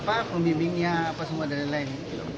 pembimbingnya apa semua dari lain